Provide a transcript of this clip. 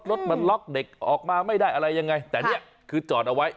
รถมันล็อกเด็กออกมาไม่ได้อะไรยังไงแต่เนี่ยคือจอดเอาไว้